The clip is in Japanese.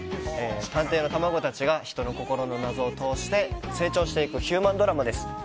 探偵の卵たちが人の心の謎を通して成長していくヒューマンドラマです。